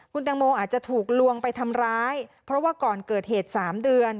คุณตังโมอาจจะถูกลวงไปทำร้ายเพราะว่าก่อนเกิดเหตุ๓เดือน